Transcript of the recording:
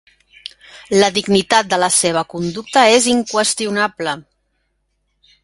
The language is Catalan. La dignitat de la seva conducta és inqüestionable.